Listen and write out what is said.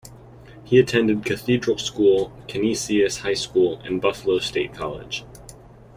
He attended Cathedral School, Canisius High School, and Buffalo State College.